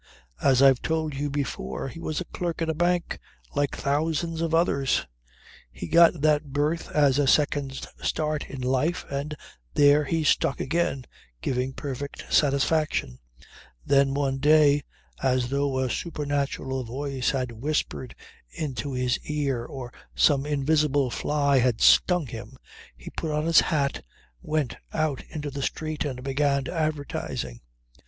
As I've told you before, he was a clerk in a bank, like thousands of others. He got that berth as a second start in life and there he stuck again, giving perfect satisfaction. Then one day as though a supernatural voice had whispered into his ear or some invisible fly had stung him, he put on his hat, went out into the street and began advertising.